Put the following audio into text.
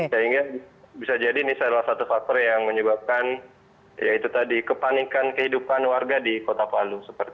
sehingga bisa jadi ini salah satu faktor yang menyebabkan ya itu tadi kepanikan kehidupan warga di kota palu